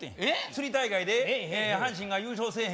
「釣り大会で阪神が優勝せえ